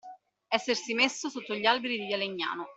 Essersi messo sotto gli alberi di via Legnano